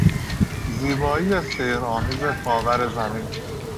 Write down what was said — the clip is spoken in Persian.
زیبایی سحر آمیز خاور زمین